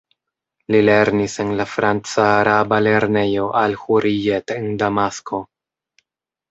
Li lernis en la franca-araba lernejo al-Hurrijet en Damasko.